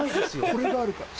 これがあるから。